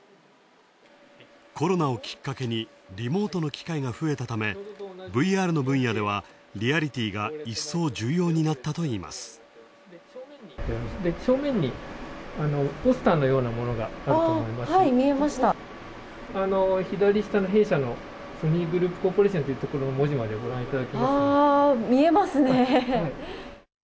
コロナをきっかけに機会が増えたためＶＲの分野では、リアリティーがいっそう重要になったといいます見えますね。